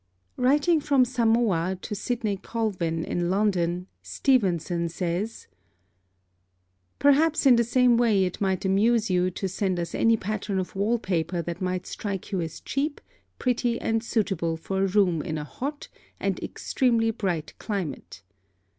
Writing from Samoa to Sidney Colvin in London, Stevenson says: "Perhaps in the same way it might amuse you to send us any pattern of wall paper that might strike you as cheap, pretty, and suitable for a room in a hot and extremely bright climate.